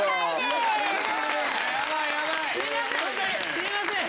すいません。